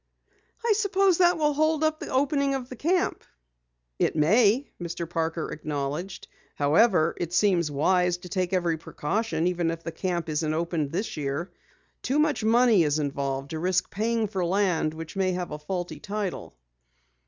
"I suppose that will hold up the opening of the camp." "It may," Mr. Parker acknowledged. "However, it seems wise to take every precaution even if the camp isn't opened this year. Too much money is involved to risk paying for land which may have a faulty title."